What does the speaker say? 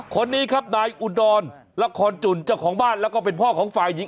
คนนี้ครับนายอุดรละครจุ่นเจ้าของบ้านแล้วก็เป็นพ่อของฝ่ายหญิง